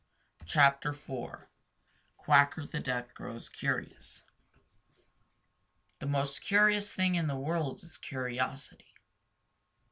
CHAPTER IV Quacker The Duck Grows Curious The most curious thing in the world is curiosity.